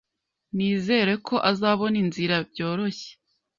Nizere ko azabona inzira byoroshye.